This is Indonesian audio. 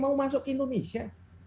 mau masuk ke indonesia